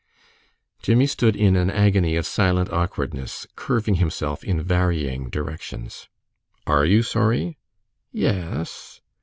Jimmie stood in an agony of silent awkwardness, curving himself in varying directions. "Are you sorry?" "Y e e s."